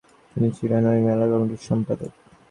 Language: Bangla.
তিনি ছিলেন ঐ মেলা কমিটির সম্পাদক।